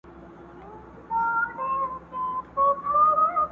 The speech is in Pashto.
پر زکندن به د وطن ارمان کوینه!!